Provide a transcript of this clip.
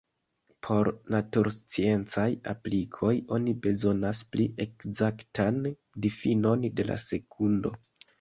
Por natursciencaj aplikoj oni bezonas pli ekzaktan difinon de la sekundo.